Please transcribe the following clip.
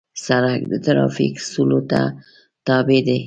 سړک د ترافیکو اصولو ته تابع دی.